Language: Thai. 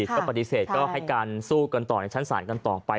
ก็ปฏิเสธก็ให้การสู้กันต่อในชั้นศาลกันต่อไป